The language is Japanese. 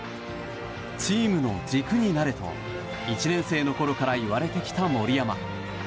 チームの軸になれと１年生のころから言われてきた森山。